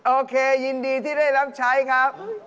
โอเคยินดีที่ได้รับใช้ครับ